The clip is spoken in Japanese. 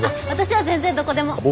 私は全然どこでも！